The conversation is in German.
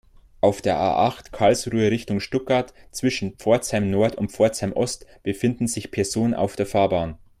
Auf der A-acht, Karlsruhe Richtung Stuttgart, zwischen Pforzheim-Nord und Pforzheim-Ost befinden sich Personen auf der Fahrbahn.